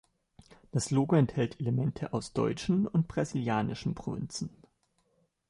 Das Logo enthält Elemente aus deutschen und brasilianischen Provinzen.